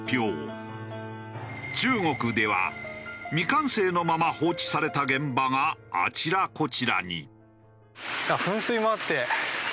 中国では未完成のまま放置された現場があちらこちらに。